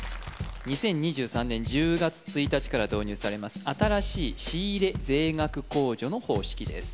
２０２３年１０月１日から導入されます新しい仕入税額控除の方式です